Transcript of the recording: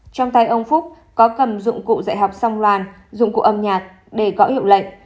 trong tay ông phúc có cầm dụng cụ dạy học song loan dụng cụ âm nhạc để có hiệu lệnh